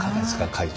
会長。